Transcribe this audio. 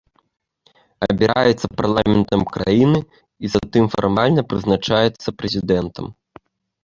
Абіраецца парламентам краіны і затым фармальна прызначаецца прэзідэнтам.